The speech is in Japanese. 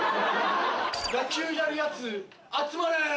野球やるヤツ集まれ！